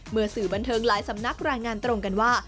สื่อบันเทิงหลายสำนักรายงานตรงกันว่า